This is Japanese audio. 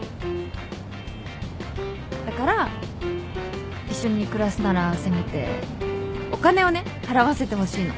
だから一緒に暮らすならせめてお金をね払わせてほしいの。